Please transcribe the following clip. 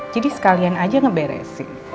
jadi sekalian aja ngeberesin